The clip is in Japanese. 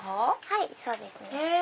はいそうですね。